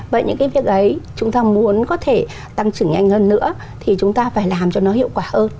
vậy những cái việc ấy chúng ta muốn có thể tăng trưởng nhanh hơn nữa thì chúng ta phải làm cho nó hiệu quả hơn